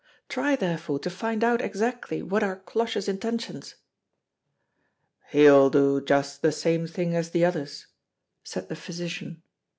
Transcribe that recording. Try, therefore, to find out exactly what are Cloche's intentions." "He'll do just the same thing as the others," said the physician.